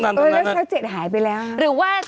แล้วซ้อเจ็ดหายไปแล้ว